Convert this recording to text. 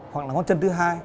hoặc là ngón chân thứ hai